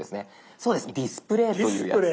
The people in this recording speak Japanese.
そうです「ディスプレイ」というやつ。